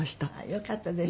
よかったですね。